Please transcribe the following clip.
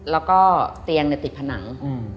แล้วก็เตียงเนี่ยติดผนัง